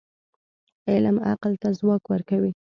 علم عمل ته ځواک ورکوي.